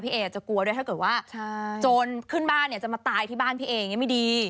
เออาจจะกลัวด้วยถ้าเกิดว่าโจรขึ้นบ้านเนี่ยจะมาตายที่บ้านพี่เออย่างนี้ไม่ดี